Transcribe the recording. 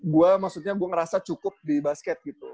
gue maksudnya gue ngerasa cukup di basket gitu